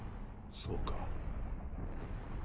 そうか。